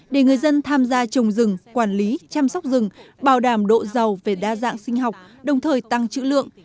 để người dân tham gia trồng rừng quản lý chăm sóc rừng bảo đảm độ giàu về đa dạng sinh học đồng thời tăng chữ lượng